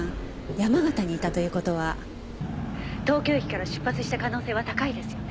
山形にいたという事は東京駅から出発した可能性は高いですよね？